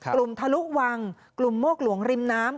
ทะลุวังกลุ่มโมกหลวงริมน้ำ